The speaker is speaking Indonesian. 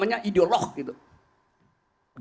orang yang pelangak pelongo itu ideologi